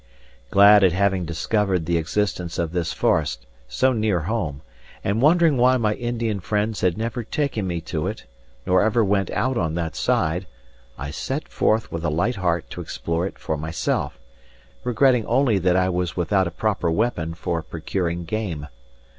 Glad at having discovered the existence of this forest so near home, and wondering why my Indian friends had never taken me to it nor ever went out on that side, I set forth with a light heart to explore it for myself, regretting only that I was without a proper weapon for procuring game.